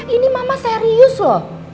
ini mama serius loh